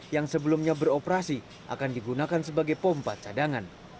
yang sebelumnya beroperasi akan digunakan sebagai pompa cadangan